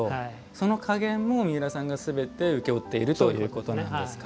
そのかげんも三浦さんがすべて請け負っているということなんですか。